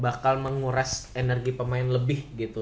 bakal menguras energi pemain lebih gitu